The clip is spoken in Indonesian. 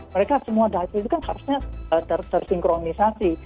mereka semua data itu kan harusnya tersinkronisasi